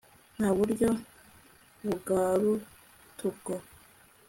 nta buryo bgarutubgo